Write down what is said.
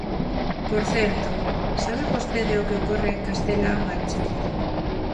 Por certo, ¿sabe vostede o que ocorre en Castela-A Mancha?